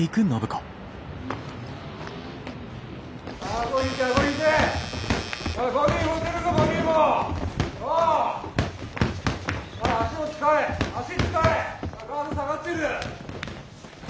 ガード下がってる！